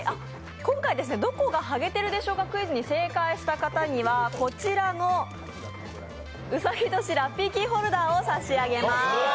今回「どこがハゲているでしょうかクイズ」に正解した方にはこちらのうさぎ年ラッピーキーホルダーを差し上げます。